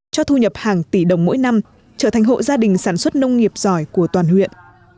cho thu nhập hàng tỷ đồng mỗi năm trở thành hộ gia đình sản xuất nông nghiệp giỏi của toàn huyện